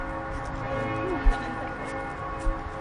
يمكنك أن تبدأ.